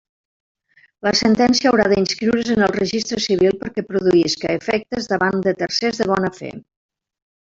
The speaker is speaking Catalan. La sentència haurà d'inscriure's en el registre civil perquè produïsca efectes davant de tercers de bona fe.